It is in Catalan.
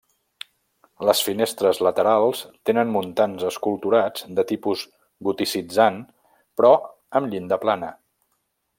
Les finestres laterals tenen muntants esculturats de tipus goticitzant però amb llinda plana.